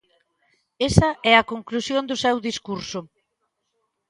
Esa é a conclusión do seu discurso.